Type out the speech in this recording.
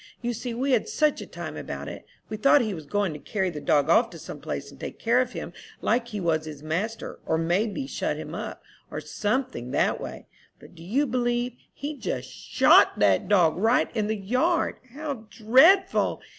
You see we had such a time about it. We thought he was going to carry the dog off to some place, and take care of him like he was his master, or may be shut him up, or something that way; but, do you believe, he just shot that dog right in the yard!" "How dreadful!"